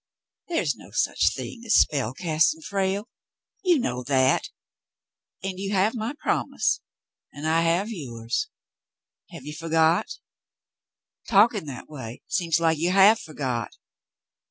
"There's no such thing as spell casting, Frale. You know that, and you have my promise and I have yours. Have you forgot ^ Talking that way seems like you have forgot."